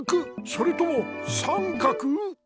それともさんかく？